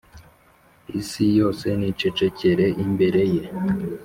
Isi yose nicecekere imbere ye